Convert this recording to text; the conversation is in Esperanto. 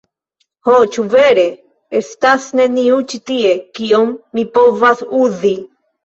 Ho, ĉu vere? Estas nenio ĉi tie? Kion mi povas uzi?